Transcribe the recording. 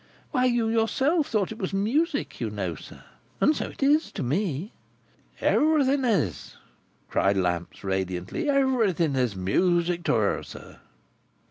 Why, you yourself thought it was music, you know, sir. And so it is, to me." "Everything is!" cried Lamps, radiantly. "Everything is music to her, sir."